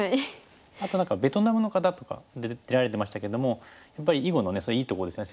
あと何かベトナムの方とか出られてましたけどもやっぱり囲碁のそれいいところですよね。